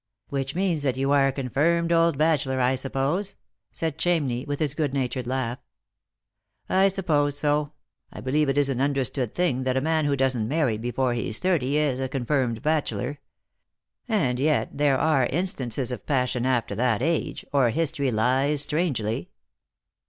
"Which means that you are a confirmed old bachelor, I suppose ?" said Chamney, with his good natured laugh. " I suppose so. I believe it is an understood thing that a man who doesn't marry before he's thirty is a confirmed bachelor. And yet there are instances of passion after that age, or history lies strangely."